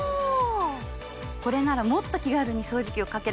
これならもっと気軽に掃除機をかけられそうですね。